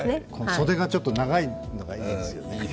袖がちょっと長いのがいいですよね。